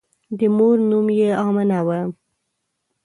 د مور نوم یې آمنه وه.